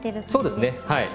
そうですねはい。